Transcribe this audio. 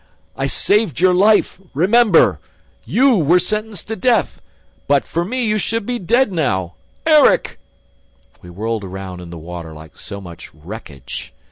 "I saved your life! Remember! ... You were sentenced to death! But for me, you would be dead now! ... Erik!" We whirled around in the water like so much wreckage.